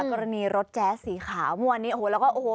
กรณีรถแจ๊สสีขาวเมื่อวานนี้โอ้โหแล้วก็โอ้โห